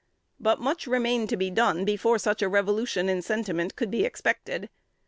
But much remained to be done before such a revolution in sentiment could be expected.